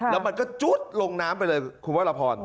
แล้วมันก็จุ๊ดลงน้ำไปเลยคุณวรพร